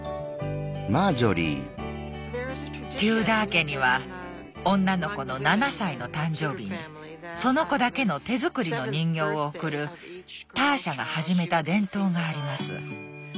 テューダー家には女の子の７歳の誕生日にその子だけの手作りの人形を贈るターシャが始めた伝統があります。